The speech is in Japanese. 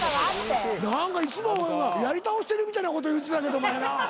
何かいつもやり倒してるみたいなこと言うてたけどもやな。